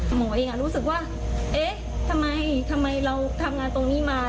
หมอเองรู้สึกว่าเอ๊ะทำไมเราทำงานตรงนี้มา